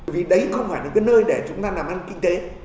vì đấy không phải là cái nơi để chúng ta làm ăn kinh tế